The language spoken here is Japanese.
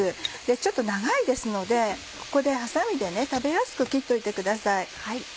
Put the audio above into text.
ちょっと長いですのでここでハサミで食べやすく切っておいてください。